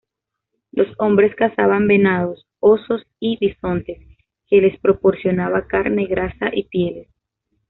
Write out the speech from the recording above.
Los hombres cazaban venados, osos y bisontes, que les proporcionaba carne, grasa y pieles.